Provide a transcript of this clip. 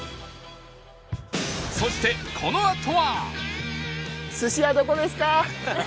そしてこのあとは